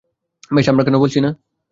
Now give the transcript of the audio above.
বেশ, আমরা কেনো বলছিনা?